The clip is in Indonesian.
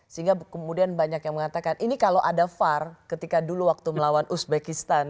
sehingga kemudian banyak yang mengatakan ini kalau ada var ketika dulu waktu melawan uzbekistan